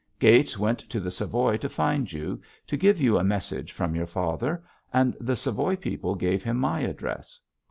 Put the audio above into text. Gates went to the Savoy to find you, to give you a message from your father, and the Savoy people gave him my address.